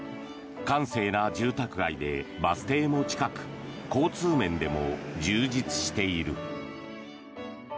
閑静な住宅街でバス停も近く交通面でも充実している。